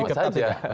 lebih ketat ya